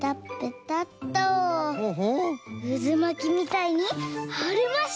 うずまきみたいにはれました！